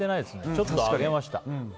ちょっと上げました。